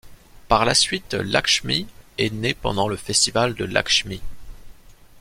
Par la suite, Lakshmi est née pendant le Festival de Lakshmi.